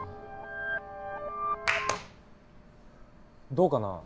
どうかな？